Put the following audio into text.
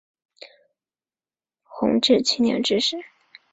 弘治七年致仕。